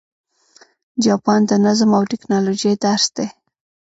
جاپان د نظم او ټکنالوژۍ درس دی.